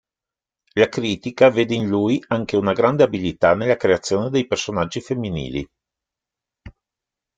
La critica vede in lui anche una grande abilità nella creazione dei personaggi femminili.